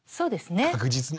確実に。